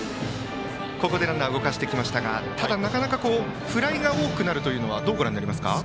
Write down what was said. ここでランナーを動かしてきましたがフライが多くなるというのはどうご覧になりますか。